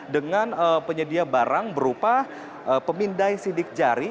dengan penyedia barang berupa pemindai sidik jari